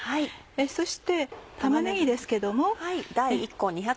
そして玉ねぎですけども。